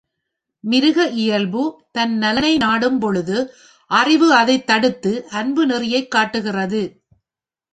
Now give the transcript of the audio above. மிருக இயல்பு தன் நலனை நாடும் பொழுது, அறிவு அதைத் தடுத்து, அன்பு நெறியைக் காட்டுகிறது.